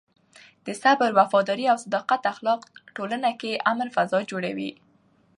د صبر، وفادارۍ او صداقت اخلاق ټولنه کې د امن فضا جوړوي.